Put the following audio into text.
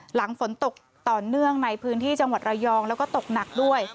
หลังฝนตกต่อเนื่องในพื้นที่จังหวัดระยองแล้วก็ตกหนักด้วย